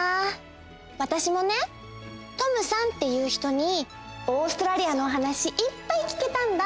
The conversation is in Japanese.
わたしもねＴｏｍさんっていう人にオーストラリアのお話いっぱい聞けたんだ！